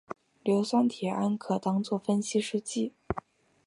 硫酸铁铵可当作分析试剂。